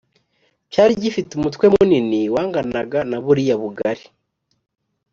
cyari gifite umutwe munini wanganaga naburiya bugari